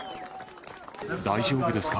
大丈夫ですか？